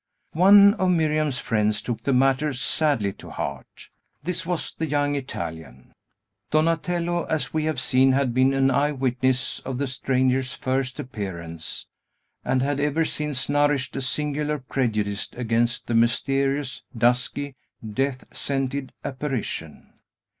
One of Miriam's friends took the matter sadly to heart. This was the young Italian. Donatello, as we have seen, had been an eyewitness of the stranger's first appearance, and had ever since nourished a singular prejudice against the mysterious, dusky, death scented apparition.